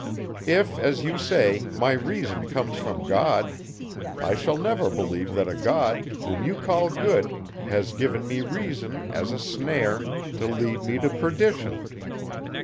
If, as you say, my reason comes from God, I shall never believe that a God, whom you call good, has given me reason, as a snare, to lead me to perdition.